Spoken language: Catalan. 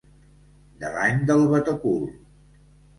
De l'any del batecul.